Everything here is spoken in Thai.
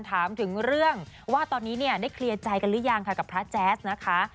ถามถึงเรื่องว่าตอนนี้เนี่ยได้เคลียร์ใจกันหรือยังค่ะกับพระแจ๊สนะคะ